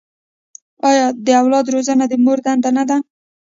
آیا د اولاد روزنه د مور دنده نه ده؟